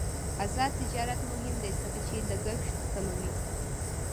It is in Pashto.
آزاد تجارت مهم دی ځکه چې لګښت کموي.